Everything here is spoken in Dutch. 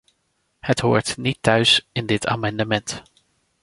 Het hoort niet thuis in dit amendement.